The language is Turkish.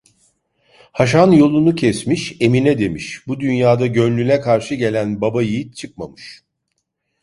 Haşan yolunu kesmiş: "Emine!" demiş, "Bu dünyada gönlüne karşı gelen babayiğit çıkmamış."